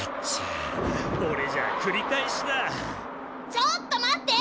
ちょっとまって！